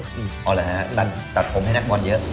เอาเหรอฮะดันตัดผมให้นักบอลเยอะ